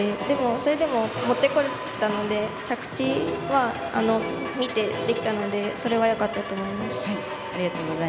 それでも、もってこれたので着地は、見てできたのでそれはよかったと思います。